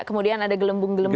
kemudian ada gelembung gelembung